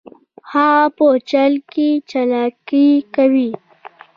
هغه په چل کې چلاکي کوي